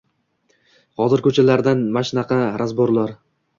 Hozir ko‘chalarda mashnaqa razborlar